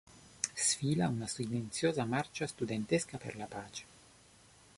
Sfila una silenziosa marcia studentesca per la pace.